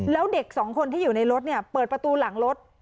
แล้วเด็กสองคนที่อยู่ในรถเนี่ยเปิดประตูหลังรถ